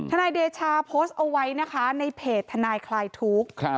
นายเดชาโพสต์เอาไว้นะคะในเพจทนายคลายทุกข์